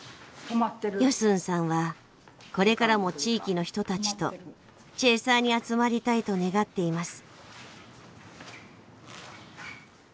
ヨスンさんはこれからも地域の人たちとチェーサーに集まりたいと願っています。